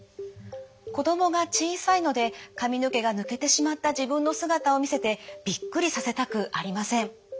子どもが小さいので髪の毛が抜けてしまった自分の姿を見せてびっくりさせたくありません。